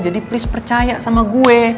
jadi please percaya sama gue